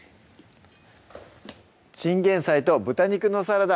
「チンゲン菜と豚肉のサラダ」